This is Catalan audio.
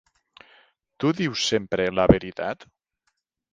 Tu dius sempre la veritat?